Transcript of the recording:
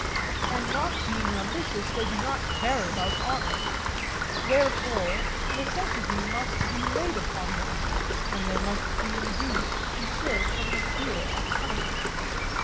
And not being ambitious they do not care about honour. Wherefore necessity must be laid upon them, and they must be induced to serve from the fear of punishment.